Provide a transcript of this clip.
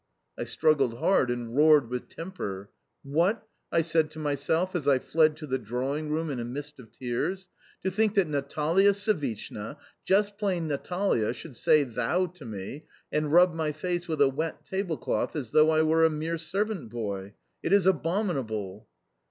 I struggled hard, and roared with temper. "What?" I said to myself as I fled to the drawing room in a mist of tears, "To think that Natalia Savishna just plain Natalia should say 'THOU' to me and rub my face with a wet tablecloth as though I were a mere servant boy! It is abominable!"